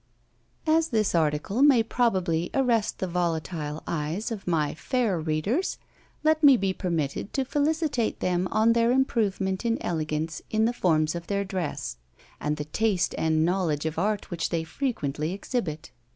As this article may probably arrest the volatile eyes of my fair readers, let me be permitted to felicitate them on their improvement in elegance in the forms of their dress; and the taste and knowledge of art which they frequently exhibit.